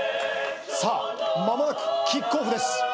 さあ間もなくキックオフです。